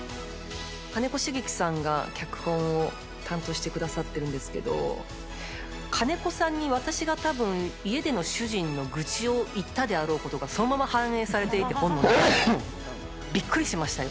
金子茂樹さんが脚本を担当してくださってるんですけど、金子さんに私がたぶん、家での主人の愚痴を言ったであろうことがそのまま反映されていて、本の中に。びっくりしましたよ。